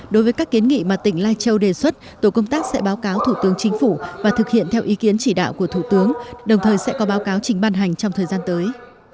đối với các kiến nghị mà tỉnh lai châu đề xuất tổ công tác sẽ báo cáo thủ tướng chính phủ và thực hiện theo ý kiến chỉ đạo của thủ tướng đồng thời sẽ có báo cáo trình ban hành trong thời gian tới